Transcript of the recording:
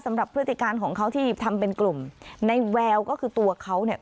พฤติการของเขาที่ทำเป็นกลุ่มในแววก็คือตัวเขาเนี่ย